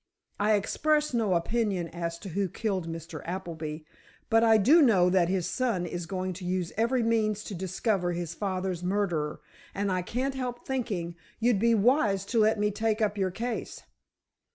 I express no opinion as to who killed Mr. Appleby, but I do know that his son is going to use every means to discover his father's murderer, and I can't help thinking you'd be wise to let me take up your case."